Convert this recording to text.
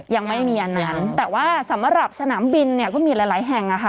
ยังไม่มีอันนั้นแต่ว่าสำหรับสนามบินเนี่ยก็มีหลายหลายแห่งอ่ะค่ะ